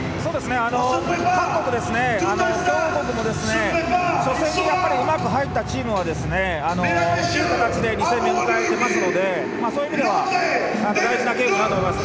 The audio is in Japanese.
各国、強豪国も初戦でうまく入ったチームはいい形で２戦目、迎えてますのでそういう意味では大事なゲームだと思います。